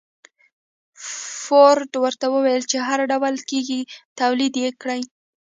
فورډ ورته وويل چې هر ډول کېږي توليد يې کړئ.